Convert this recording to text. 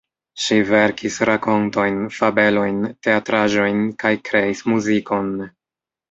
Ŝi verkis rakontojn, fabelojn, teatraĵojn kaj kreis muzikon.